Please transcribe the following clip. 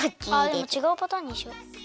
あでもちがうパターンにしよ！